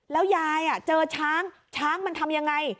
แล้วยายเจอช้างช้างมันทำยังไง